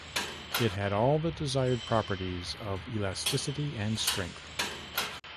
It had all the desired properties of elasticity and strength.